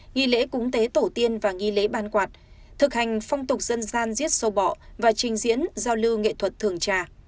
nghi lễ cúng tế tổ tiên và nghi lễ ban quạt thực hành phong tục dân gian diết sâu bọ và trình diễn giao lưu nghệ thuật thường trà